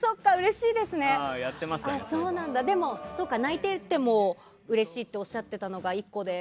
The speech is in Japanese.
でも、泣いててもうれしいっておっしゃってたのが１個で。